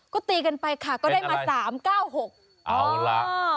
ก็ตีกันไปค่ะก็ได้มาสามเก้าหกเอาล่ะ